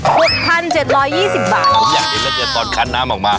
สี่ถ้ันเจ็ดรอยยี่สิบบาทผมอยากเห็นเรื่องเกี่ยวตอนคั้นน้ำออกมา